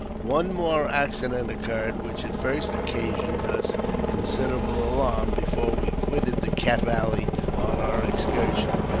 One more accident occurred, which at first occasioned us considerable alarm, before we quitted the Cache Valley on our excursion.